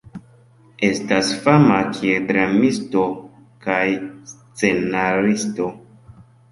Estas fama kiel dramisto kaj scenaristo.